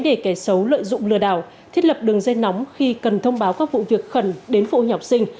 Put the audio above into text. để kẻ xấu lợi dụng lừa đảo thiết lập đường dây nóng khi cần thông báo các vụ việc khẩn đến phụ huynh học sinh